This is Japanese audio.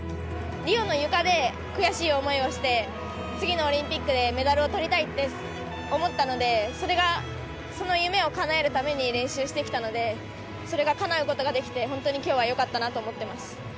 リオのゆかで悔しい思いをして、次のオリンピックでメダルをとりたいって思ったので、それが、その夢をかなえるために練習してきたので、それがかなうことができて、本当にきょうはよかったなと思ってます。